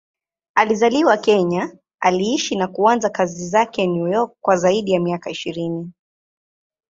Alizaliwa Kenya, aliishi na kuanzisha kazi zake New York kwa zaidi ya miaka ishirini.